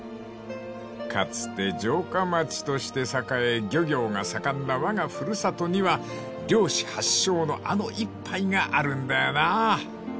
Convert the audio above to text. ［かつて城下町として栄え漁業が盛んなわが古里には漁師発祥のあの一杯があるんだよな］